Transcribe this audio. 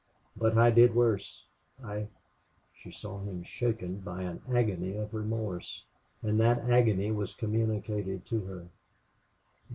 "But I did worse. I " She saw him shaken by an agony of remorse; and that agony was communicated to her.